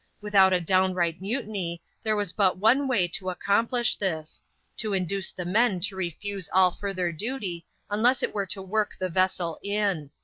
Without a downright mutiny, there was but one way to accomplish this : to induce the men to refuse all further duty, unless it were to work the vessel in.